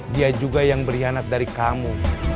dia juga yang berhianat dari kamu